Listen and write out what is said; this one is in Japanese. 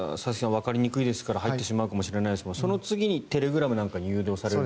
わかりにくいですから入ってしまうかもしれないですがその次にテレグラムなんかに誘導される。